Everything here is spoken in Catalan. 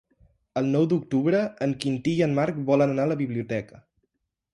El nou d'octubre en Quintí i en Marc volen anar a la biblioteca.